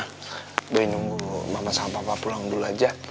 gue nunggu mama sama papa pulang dulu aja